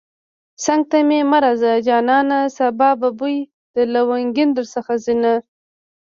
څنگ ته مې مه راځه جانانه سبا به بوی د لونگين درڅخه ځينه